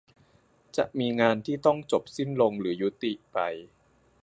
จะมีงานที่ต้องจบสิ้นลงหรือยุติไป